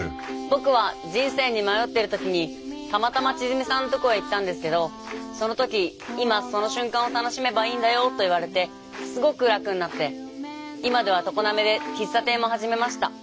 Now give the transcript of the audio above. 僕は人生に迷ってる時にたまたま千純さんのとこへ行ったんですけどその時「今その瞬間を楽しめばいいんだよ」と言われてすごく楽になって今では常滑で喫茶店も始めました。